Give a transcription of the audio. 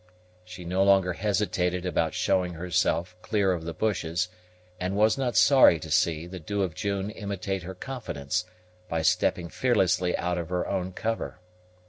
She no longer hesitated about showing herself clear of the bushes, and was not sorry to see the Dew of June imitate her confidence, by stepping fearlessly out of her own cover.